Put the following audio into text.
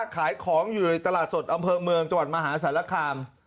ขายของอยู่ในตลาดสดอำเภอเมืองจังหวัดมหาสารคาม